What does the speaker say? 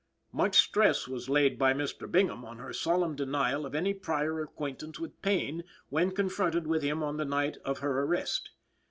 Much stress was laid by Mr. Bingham on her solemn denial of any prior acquaintance with Payne when confronted with him on the night of her arrest.